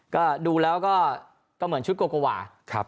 ก็ดูแล้วก็เหมือนชุดโกโกวาครับนะครับ